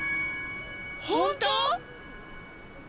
本当！？